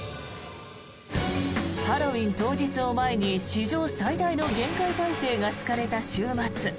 ハロウィーン当日を前に史上最大の厳戒態勢が敷かれた週末。